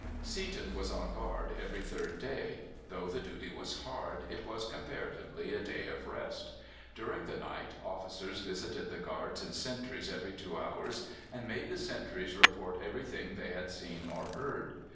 Seaton was on guard every third day. Though the duty was hard, it was comparatively a day of rest. During the night officers visited the guards and sentries every two hours, and made the sentries report everything they had seen or heard.